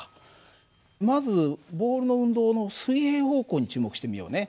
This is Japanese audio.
まずボールの運動の水平方向に注目してみようね。